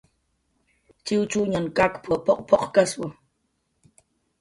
"Chiwchuñan kakuñp"" p""uq p""uqkkaswa"